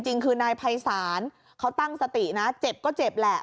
จริงคือนายภัยศาลเขาตั้งสตินะเจ็บก็เจ็บแหละ